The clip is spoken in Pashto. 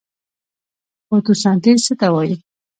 فوتوسنتیز څه ته وایي؟